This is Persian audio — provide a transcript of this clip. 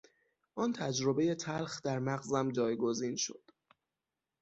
آن تجربهی تلخ در مغزم جایگزین شد.